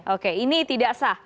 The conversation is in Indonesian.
oke ini tidak sah